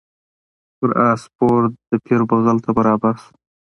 پر آس سپور د پیر بغل ته برابر سو